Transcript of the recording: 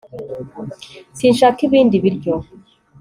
sinshaka ibindi biryo